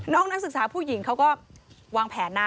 น้องนักศึกษาผู้หญิงเขาก็วางแผนหน้า